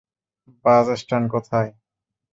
বাস stand কোথায়?